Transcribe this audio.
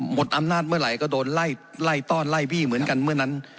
อำนาจเมื่อไหร่ก็โดนไล่ต้อนไล่บี้เหมือนกันเมื่อนั้น